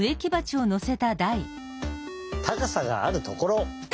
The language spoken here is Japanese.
たかさがあるところ！